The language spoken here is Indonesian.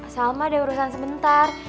salma ada urusan sebentar